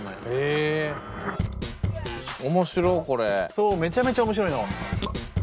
そうめちゃめちゃ面白いの。